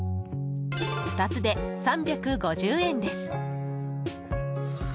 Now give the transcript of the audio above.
２つで３５０円です。